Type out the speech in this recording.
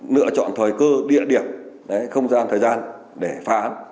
lựa chọn thời cơ địa điểm không gian thời gian để phá án